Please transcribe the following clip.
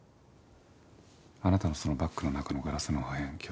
あなたのそのバッグの中のガラスの破片気をつけて。